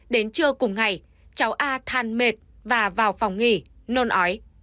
đến trưa cùng ngày cháu a than mệt và vào phòng nghỉ nôn ói